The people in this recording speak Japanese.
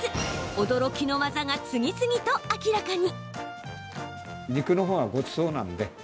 驚きの技が次々と明らかに。